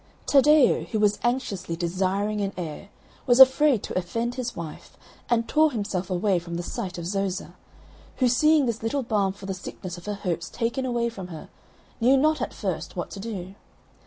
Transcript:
Taddeo, who was anxiously desiring an heir, was afraid to offend his wife and tore himself away from the sight of Zoza; who seeing this little balm for the sickness of her hopes taken away from her, knew not, at first, what to do.